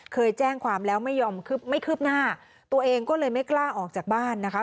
เคยแจ้งความแล้วไม่ยอมไม่คืบหน้าตัวเองก็เลยไม่กล้าออกจากบ้านนะคะ